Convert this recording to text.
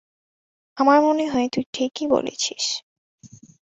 আমার মনে হয় তুই ঠিকই বলছিস।